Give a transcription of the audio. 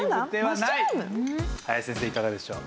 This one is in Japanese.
林先生いかがでしょう？